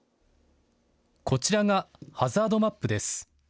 こちらがハザードマップです。